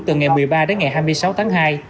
từ ngày một mươi ba đến ngày hai mươi sáu tháng hai